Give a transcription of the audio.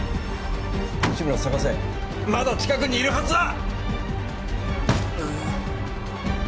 志村を捜せまだ近くにいるはずだ！